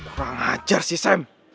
kurang ajar sih sam